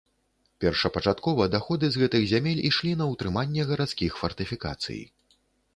Першапачаткова даходы з гэтых зямель ішлі на ўтрыманне гарадскіх фартыфікацый.